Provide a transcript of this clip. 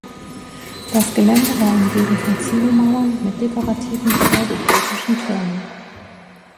Das Gelände war umgeben von Ziegelmauern mit dekorativen pseudo-gotischen Türmen.